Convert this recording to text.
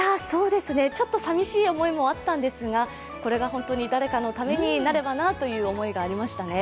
ちょっと寂しい思いもあったんですがこれが誰かのためになればなという思いがありましたね。